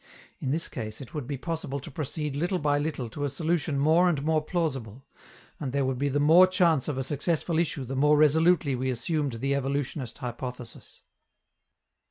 In this case, it would be possible to proceed little by little to a solution more and more plausible, and there would be the more chance of a successful issue the more resolutely we assumed the evolutionist hypothesis.